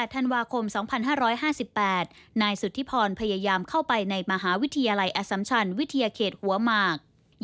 ธันวาคม๒๕๕๘นายสุธิพรพยายามเข้าไปในมหาวิทยาลัยอสัมชันวิทยาเขตหัวหมาก